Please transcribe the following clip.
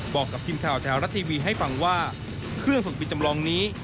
บอกกับพิมพ์ข่าวทหารัททีวีให้ฟังว่าเครื่องฝึกบินจำลองนี้